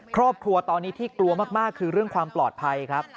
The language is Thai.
ครอบครัวตอนนี้ที่กลัวมากคือเรื่องความปลอดภัยครับ